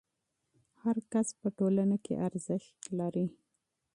هر فرد په ټولنه کې ارزښت لري.